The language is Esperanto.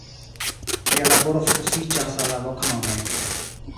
Lia laboro fokusiĝas al la loknomoj.